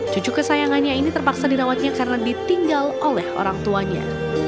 cucu kesayangannya ini terpaksa dirawatnya karena ditinggal oleh orang tuanya